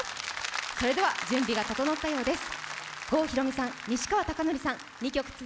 それでは準備が整ったようです。